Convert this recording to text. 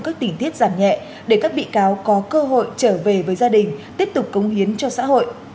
các tỉnh tiết giảm nhẹ để các bị cáo có cơ hội trở về với gia đình tiếp tục cống hiến cho xã hội